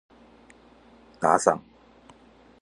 打賞